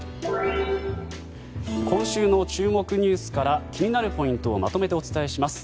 今週の注目ニュースから気になるポイントをまとめてお伝えします。